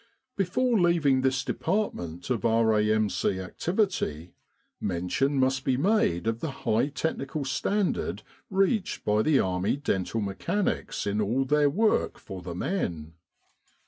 Before leaving this department of R.A.M.C. activity, mention must be made of the high technical standard reached by the Army dental mechanics in all their work for the men.